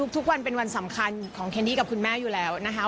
ทุกวันเป็นวันสำคัญของแคนดี้กับคุณแม่อยู่แล้วนะคะ